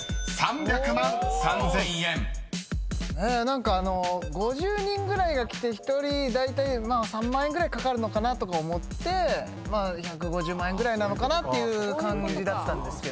何かあの５０人ぐらいが来て１人だいたい３万円ぐらいかかるのかなとか思ってまあ１５０万円ぐらいなのかなっていう感じだったんですけど。